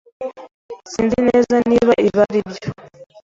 Sinzi neza niba ibi aribyo.